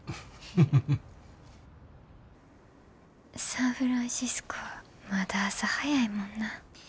サンフランシスコはまだ朝早いもんな。